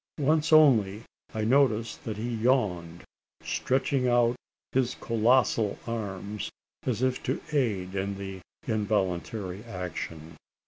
Once only I noticed that he yawned stretching out his colossal arms, as if to aid in the involuntary action.